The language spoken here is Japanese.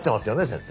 先生。